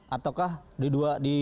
ataukah di dua